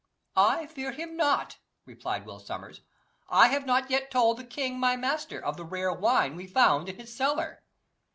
"I fear him not," replied Will Sommers. "I have not yet told the king my master of the rare wine we found in his cellar."